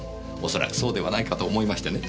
恐らくそうではないかと思いましてね。